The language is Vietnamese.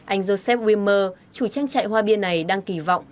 anh joseph wimmer chủ trang chạy hoa bia này đang kỳ vọng